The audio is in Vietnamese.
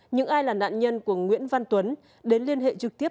những ai là nạn nhân của nguyễn văn tuấn đến liên hệ trực tiếp